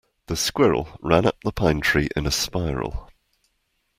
The squirrel ran up the pine tree in a spiral.